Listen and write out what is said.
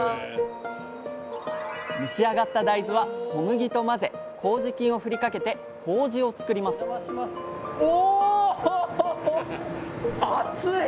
蒸し上がった大豆は小麦と混ぜこうじ菌を振りかけてこうじを作りますお！